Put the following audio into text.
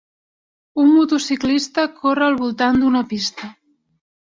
Un motociclista corre al voltant d'una pista.